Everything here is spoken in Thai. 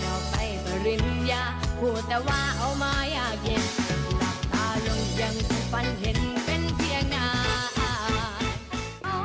หลับตาลมยัมฟุตปั่นเห็นเป็นเพลียงนาน